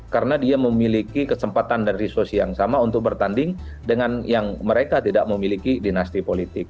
karena dia memiliki kesempatan dan resource yang sama untuk bertanding dengan yang mereka tidak memiliki dinasti politik